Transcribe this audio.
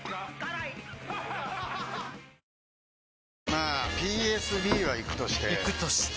まあＰＳＢはイクとしてイクとして？